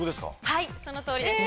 はいそのとおりです。